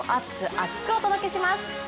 厚く！お届けします。